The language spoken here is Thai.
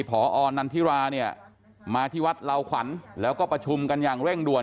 พอนันทิราเนี่ยมาที่วัดเหล่าขวัญแล้วก็ประชุมกันอย่างเร่งด่วน